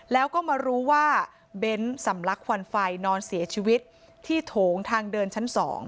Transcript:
แล้วก็มารู้ว่าเบ้นสำลักควันไฟนอนเสียชีวิตที่โถงทางเดินชั้น๒